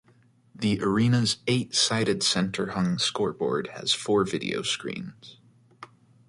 The arena's eight-sided center-hung scoreboard has four video screens.